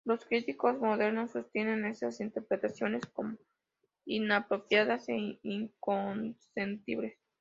Los críticos modernos sostienen estas interpretaciones como inapropiadas e insostenibles.